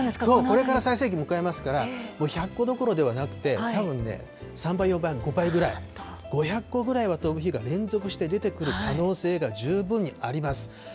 この先最盛期迎えますから、もう１００個どころじゃなくて、たぶんね、３倍、４倍、５倍ぐらい、５００個ぐらいは飛ぶ日が連続して出てくる可能性が十分にあります。